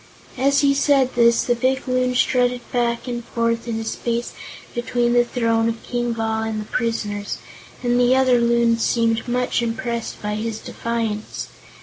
As he said this, the big Loon strutted back and forth in the space between the throne of King Bal and the prisoners, and the other Loons seemed much impressed by his defiance.